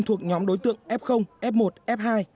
thuộc nhóm đối tượng f f một f hai